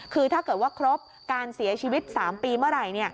คือถ้าเกิดว่าครบการเสียชีวิต๓ปีเมื่อไหร่